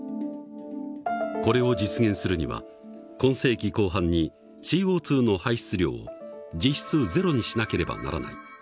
これを実現するには今世紀後半にＣＯの排出量を実質ゼロにしなければならない。